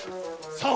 さあ！